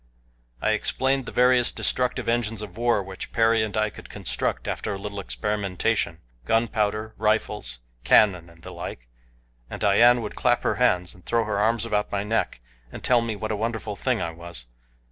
I explained the various destructive engines of war which Perry and I could construct after a little experimentation gunpowder, rifles, cannon, and the like, and Dian would clap her hands, and throw her arms about my neck, and tell me what a wonderful thing I was.